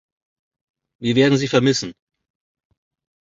Wir werden Sie vermissen.